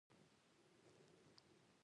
نړۍ له بې شمېره داسې فرصتونو څخه ډکه ده